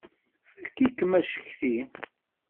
Fakk-ikem acetki!